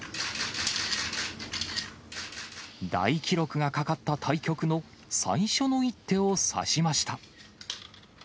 大記録がかかった対局の最初の一手を指しました。